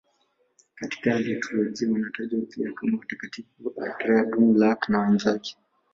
Katika liturujia wanatajwa pia kama Watakatifu Andrea Dũng-Lạc na wenzake.